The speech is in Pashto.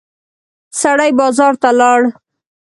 سړی بازار ته لاړ.